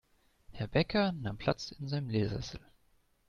Herr Bäcker nahm Platz in seinem Ledersessel.